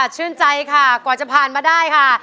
ชื่นใจค่ะกว่าจะผ่านมาได้ค่ะ